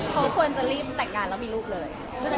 เขาควรจะรีบแต่งงานแล้วมีลูกเลย